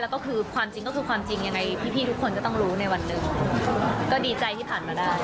แล้วก็คือความจริงก็คือความจริงยังไงพี่ทุกคนก็ต้องรู้ในวันหนึ่งก็ดีใจที่ผ่านมาได้